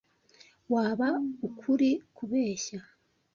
waba ukuri kubeshya